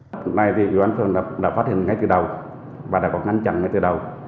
hôm nay thì quản phương đã phát hình ngay từ đầu và đã còn ngăn chặn ngay từ đầu